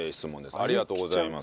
ありがとうございます。